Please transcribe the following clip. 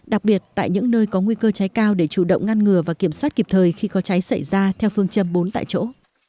đặc biệt tại những nơi có nguy cơ cháy cao để chủ động ngăn ngừa và kiểm soát kịp thời khi có cháy xảy ra theo phương châm bốn tại chỗ